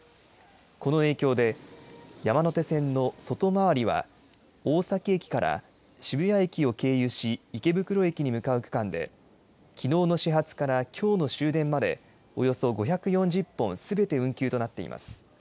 この影響で、山手線の外回りは大崎駅から渋谷駅を経由し、池袋駅に向かう区間で、きのうの始発からきょうの終電まで、およそ５４０本すべて運休となっています。